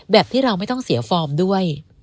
แบบที่เราไม่ต้องเสียฟอร์มด้วย